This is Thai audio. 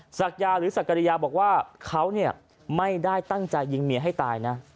สัศน์ยาวิทยาหรือศักดิโยบอกว่าเขาเนี่ยไม่ได้ตั้งใจยิงเมียให้ตายนะ